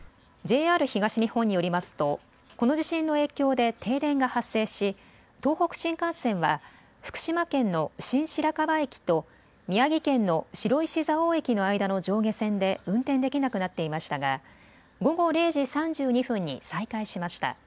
ＪＲ東日本によりますとこの地震の影響で停電が発生し東北新幹線は福島県の新白河駅と宮城県の白石蔵王駅の間の上下線で運転できなくなっていましたが午後０時３２分に再開しました。